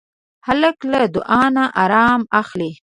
هلک له دعا نه ارام اخلي.